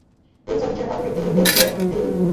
Room service ছাড়া কাউকে ঢুকতে বেরুতে দেইনি।